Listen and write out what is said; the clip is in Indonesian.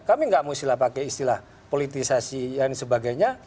kami nggak mau istilah pakai istilah politisasi dan sebagainya